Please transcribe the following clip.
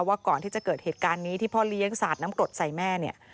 ว่าก่อนที่จะเกิดเหตุการณ์นี้ที่พ่อเลี้ยงสาดน้ำกรดใส่แม่เนี่ย